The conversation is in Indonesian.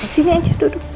sini aja duduk